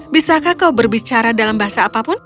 bisakah kau berbicara dalam bahasa apapun